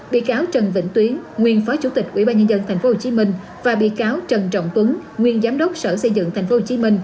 bị cáo trần vĩnh tuyến nguyên phó chủ tịch ubnd tp hcm và bị cáo trần trọng tuấn nguyên giám đốc sở xây dựng tp hcm